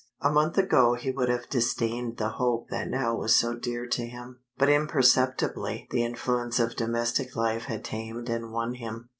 A month ago he would have disdained the hope that now was so dear to him. But imperceptibly the influences of domestic life had tamed and won him.